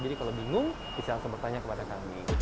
jadi kalau bingung bisa langsung bertanya ke kita